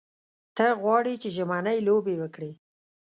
ته غواړې چې ژمنۍ لوبې وکړې.